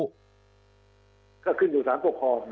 ก็ขึ้นอยู่สารปกครอง